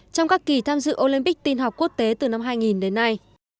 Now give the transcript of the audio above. trong các kỳ tham dự olympic tin học quốc tế từ năm hai nghìn đến nay